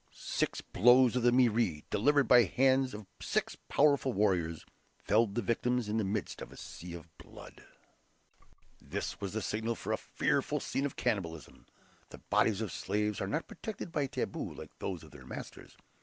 Six blows of the MERE, delivered by the hands of six powerful warriors, felled the victims in the midst of a sea of blood. This was the signal for a fearful scene of cannibalism. The bodies of slaves are not protected by taboo like those of their masters.